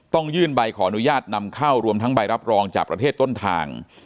ต้องยื่นใบขออนุญาตนำเข้ารวมทั้งใบรับรองจากประเทศต้นทาง